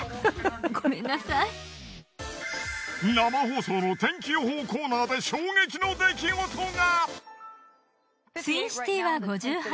生放送の天気予報コーナーで衝撃の出来事が！